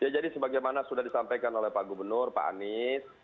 ya jadi sebagaimana sudah disampaikan oleh pak gubernur pak anies